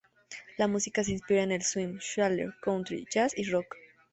La música se inspira en el swing, schlager, country, jazz, y rock.